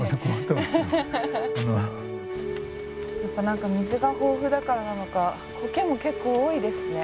やっぱ何か水が豊富だからなのかコケも結構多いですね。